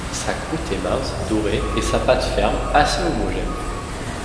Sa croute est mince, dorée, et sa pâte ferme, assez homogène.